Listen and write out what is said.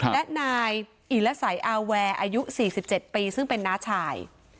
และนายอิลสัยอาแวร์อายุ๔๗ปีซึ่งเป็นน้าชาย